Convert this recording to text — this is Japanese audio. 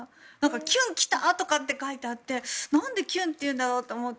きゅん、来たとかって書いてあってなんできゅんっていうんだろうと思って。